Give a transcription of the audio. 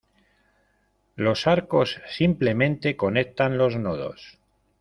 Los arcos simplemente conectan los nodos.